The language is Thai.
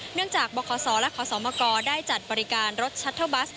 เนื่องจากบรเขาศอและเขาศมกอได้จัดบรรยาการรถชัตเท้าบัส